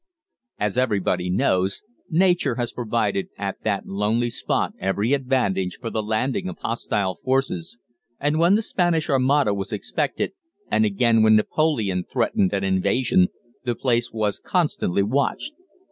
"As everybody knows, nature has provided at that lonely spot every advantage for the landing of hostile forces, and when the Spanish Armada was expected, and again when Napoleon threatened an invasion, the place was constantly watched.